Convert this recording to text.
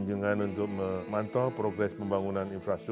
bulus perbatasan itra